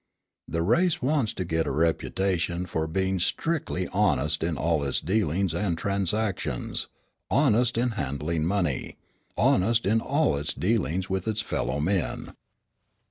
The race wants to get a reputation for being strictly honest in all its dealings and transactions, honest in handling money, honest in all its dealings with its fellow men.